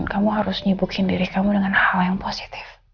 kamu harus nyibukin diri kamu dengan hal yang positif